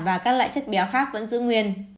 và các loại chất béo khác vẫn giữ nguyên